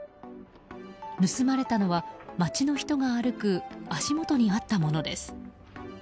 盗まれたのは、街の人が歩く足元にあったものです。